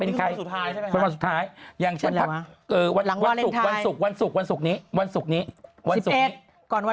นี่ภักดิ์สุดท้ายใช่ไหมครับ